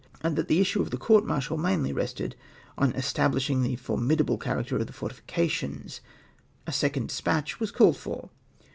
and that the issue of the court martial mainly rested on establishing the formidable character of the fortifications, a second despatch was called for.